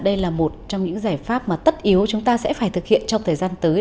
đây là một trong những giải pháp mà tất yếu chúng ta sẽ phải thực hiện trong thời gian tới